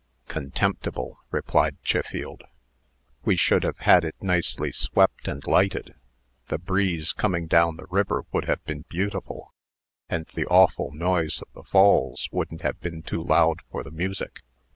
"Contemptible!" replied Chiffield. "We should have had it nicely swept and lighted. The breeze coming down the river would have been beautiful, and the awful noise of the Falls wouldn't have been too loud for the music.